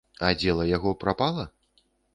І дзела яго прапала?